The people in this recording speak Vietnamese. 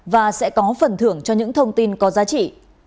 và sẽ có phần thưởng cho những thông tin có giá trị